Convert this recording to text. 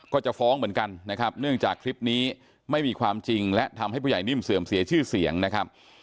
ก็จะฟ้องเหมือนกันนะครับเนื่องจากคลิปนี้ไม่มีความจริงและทำให้ผู้ใหญ่นิ่มเสื่อมเสียชื่อเสียงนะครับ